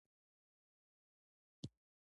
د امیر کروړ شعر ژبه ئي ډېره سلیسه او روانه ده.